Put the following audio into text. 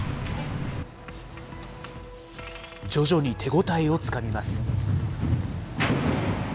徐々に手応えをつかみます。